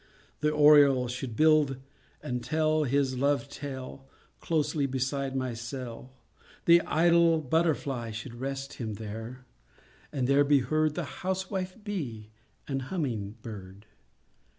The oriole should build and tell His love tale, close beside my cell; The idle butterfly Should rest him there, and there be heard The housewife bee and humming bird.